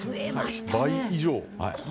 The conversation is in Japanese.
倍以上。